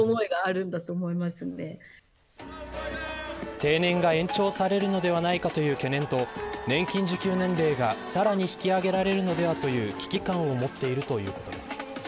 定年が延長されるのではないかという懸念と年金受給年齢がさらに引き上げられるのではという危機感を持っているということです。